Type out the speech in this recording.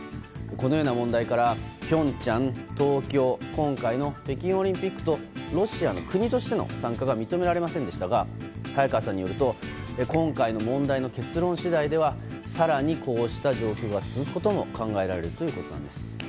このような問題から平昌、東京今回の北京オリンピックとロシアの国としての参加が認められませんでしたが早川さんによると今回の問題の結論次第では更にこうした状況が続くことも考えられるということなんです。